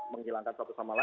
menghilangkan sesuatu hal